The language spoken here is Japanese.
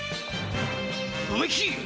梅吉！